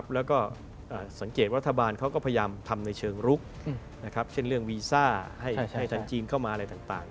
แล้วก็สังเกตรัฐบาลเขาก็พยายามทำในเชิงรุกเช่นเรื่องวีซ่าให้ทางจีนเข้ามาอะไรต่าง